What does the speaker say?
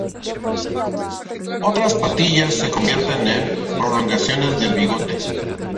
Otras patillas se convierten en prolongaciones del bigote.